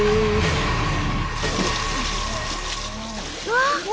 うわ！